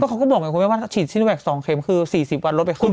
เขาก็บอกไงคุณแม่ว่าฉีดซิโนแวค๒เข็มคือ๔๐วันลดไปขึ้น